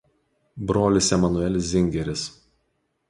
Brolis Emanuelis Zingeris.